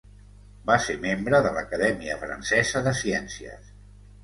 Va ser membre de l'Acadèmia Francesa de Ciències.